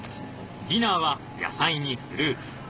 ディナーは野菜にフルーツ。